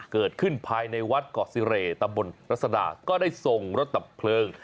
เกิดขึ้นภายในวัดเกาะซีเรตำบลรัศดาก็ได้ส่งรถดับเพลิง